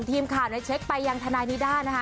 ทีมข่าวเช็คไปยังทนายนิด้านะคะ